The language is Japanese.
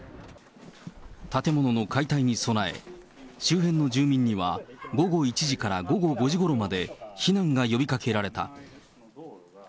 建物の解体に備え、周辺の住民には、午後１時から午後５時ごろまで、避難が呼びかけられた。